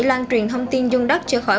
lan truyền thông tin dung đất trở khỏi